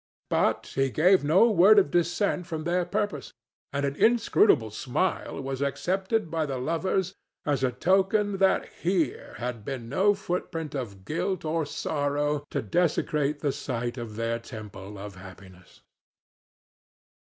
But he gave no word of dissent from their purpose, and an inscrutable smile was accepted by the lovers as a token that here had been no footprint of guilt or sorrow to desecrate the site of their temple of happiness.